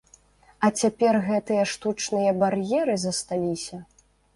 А цяпер гэтыя штучныя бар'еры засталіся?